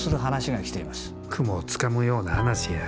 雲をつかむような話や。